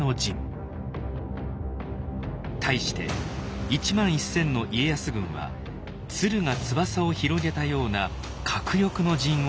対して１万１千の家康軍は鶴が翼を広げたような鶴翼の陣を敷きます。